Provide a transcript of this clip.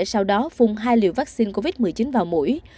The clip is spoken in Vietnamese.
sau đó phun hai liều vaccine covid một mươi chín vào mũi